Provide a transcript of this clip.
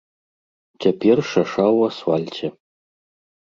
Цяпер шаша ў асфальце.